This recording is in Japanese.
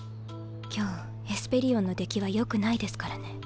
今日エスペリオンの出来はよくないですからね。